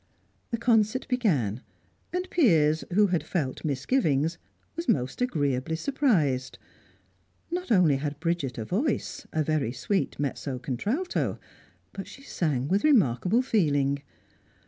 The concert began, and Piers, who had felt misgivings, was most agreeably surprised. Not only had Bridget a voice, a very sweet mezzo contralto, but she sang with remarkable feeling.